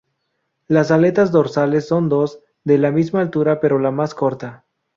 Las aletas dorsales son dos, de la misma altura pero la más corta.